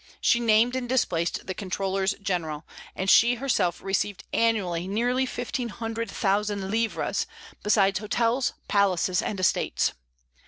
She named and displaced the controllers general, and she herself received annually nearly fifteen hundred thousand livres, besides hotels, palaces, and estates.